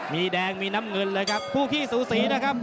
มีแดงมีน้ำเงินเลยครับคู่ขี้สูสีนะครับ